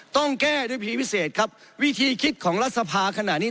ต้องแก้ด้วยพีพิเศษครับวิธีคิดของรัฐสภาขณะนี้